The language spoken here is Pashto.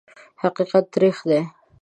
حقیقت تریخ دی .